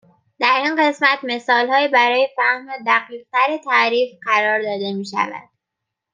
در این قسمت مثالهایی برای فهم دقیق تر تعریف قرار داده میشود